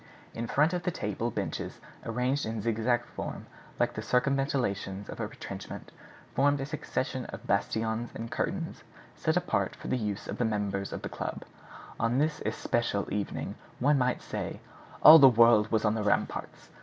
In front of the table benches arranged in zigzag form, like the circumvallations of a retrenchment, formed a succession of bastions and curtains set apart for the use of the members of the club; and on this especial evening one might say, "All the world was on the ramparts."